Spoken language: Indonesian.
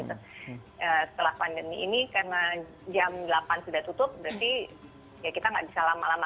setelah pandemi ini karena jam delapan sudah tutup berarti ya kita nggak bisa lama lama